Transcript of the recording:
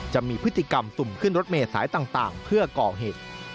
จะมีพฤติกรรมสุ่มขึ้นรถเมษายต่างเพื่อก่อเหตุ